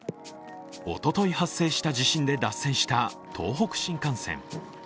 おととい発生した地震で脱線した東北新幹線。